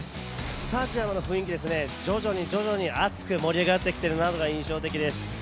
スタジアムの雰囲気ですね、徐々に熱く盛り上がってきているのが印象的です。